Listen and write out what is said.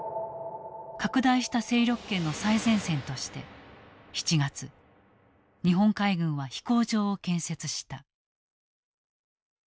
拡大した勢力圏の最前線として７月日本海軍は飛行場を建設した。